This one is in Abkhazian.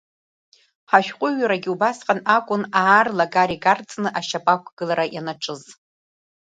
Ҳашәҟәҩырагьы убасҟан акәын аарла агара игарҵны ашьапы ақәгылара ианаҿыз.